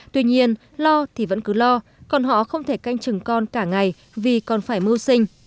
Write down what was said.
tuy nhiên lo thì vẫn cứ lo còn họ không thể canh chừng con cả ngày vì còn phải mưu sinh